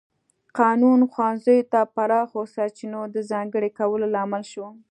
قانون ښوونځیو ته پراخو سرچینو د ځانګړي کولو لامل شو.